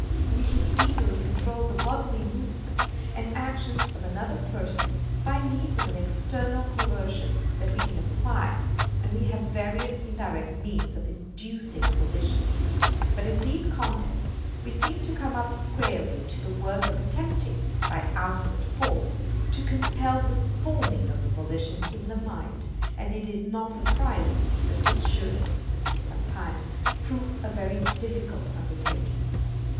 We can easily control the bodily movements and actions of another person by means of an external coercion that we can apply, and we have various indirect means of inducing volitions; but in these contests we seem to come up squarely to the work of attempting, by outward force, to compel the forming of a volition in the mind; and it is not surprising that this should, at least sometimes, prove a very difficult undertaking.